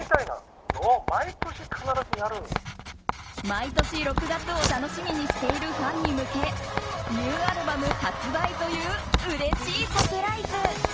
毎年６月を楽しみにしているファンに向けニューアルバム発売といううれしいサプライズ。